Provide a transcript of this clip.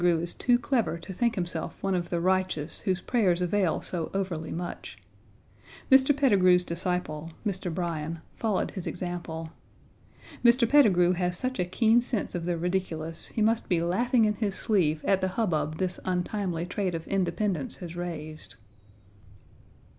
Petigru is too clever to think himself one of the righteous whose prayers avail so overly much. Mr. Petigru's disciple, Mr. Bryan, followed his example. Mr. Petigru has such a keen sense of the ridiculous he must be laughing in his sleeve at the hubbub this untimely trait of independence has raised.